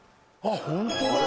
ホントだ。